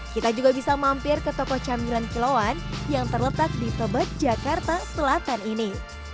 kita juga bisa mampir ke toko camilan kiloan yang terletak di tebet jakarta selatan ini